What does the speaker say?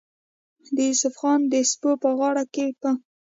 د يوسف خان د سپو پۀ غاړه کښې به